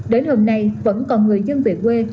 đến hôm nay vẫn còn người dân về quê